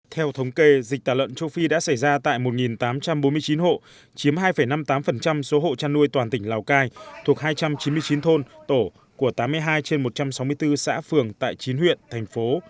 theo thống kê dịch tà lợn châu phi đã xảy ra tại một tám trăm bốn mươi chín hộ chiếm hai năm mươi tám số hộ chăn nuôi toàn tỉnh lào cai thuộc hai trăm chín mươi chín thôn tổ của tám mươi hai trên một trăm sáu mươi bốn xã phường tại chín huyện thành phố